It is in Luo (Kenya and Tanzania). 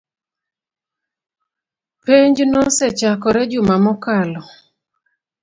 Penj nosechakore juma mokalo